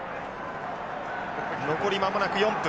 残り間もなく４分。